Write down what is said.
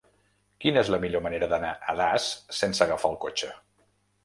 Quina és la millor manera d'anar a Das sense agafar el cotxe?